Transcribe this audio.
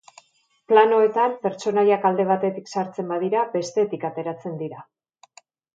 Planoetan, pertsonaiak alde batetik sartzen badira, bestetik ateratzen dira.